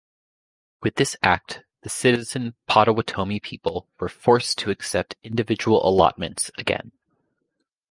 With this Act, the Citizen Potawatomi people were forced to accept individual allotments again.